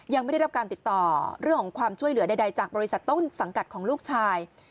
ยังไม่ได้รับการติดต่อเรื่องของความช่วยเหลือใดจากบริษัทต้นสังกัดของลูกชาย